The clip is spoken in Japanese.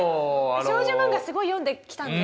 少女漫画すごい読んできたんで。